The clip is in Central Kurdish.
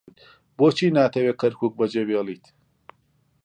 بۆچی ناتەوێت کەرکووک بەجێبهێڵێت؟